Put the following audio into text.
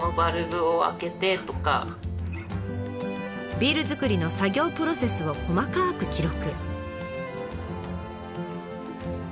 ビールづくりの作業プロセスを細かく記録。